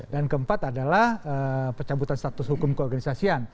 dan keempat adalah pecahbutan status hukum keorganisasian